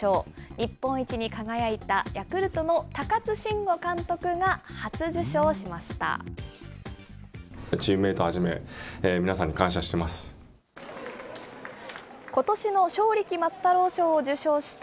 日本一に輝いたヤクルトの高津臣吾監督が初受賞しました。